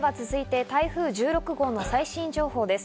では続いて台風１６号の最新情報です。